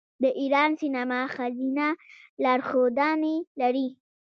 د ایران سینما ښځینه لارښودانې لري.